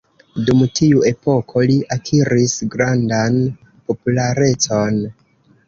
Dum tiu epoko li akiris grandan popularecon.